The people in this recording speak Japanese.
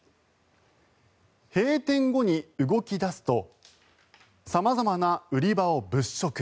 閉店後に動き出すと様々な売り場を物色。